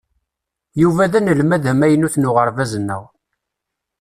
Yuba d anelmad amaynut n uɣerbaz-nneɣ.